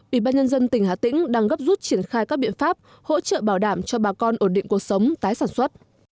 ủy ban nhân dân tỉnh hà tĩnh đang gấp rút triển khai các biện pháp hỗ trợ bảo đảm cho bà con ổn định cuộc sống tái sản xuất